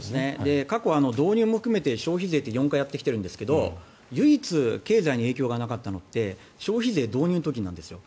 過去、導入も含めて消費税って４回やってきてるんですが唯一経済に影響がなかったのって消費税導入の時なんですよ。